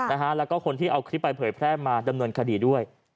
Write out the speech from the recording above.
แล้วก็คนที่เอาคลิปไปเผยแพร่มาดำเนินคดีด้วย